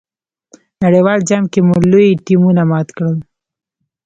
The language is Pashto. نړیوال جام کې مو لوی ټیمونه مات کړل.